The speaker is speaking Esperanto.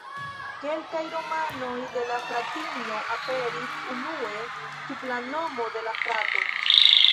Kelkaj romanoj de la fratino aperis unue sub la nomo de la frato.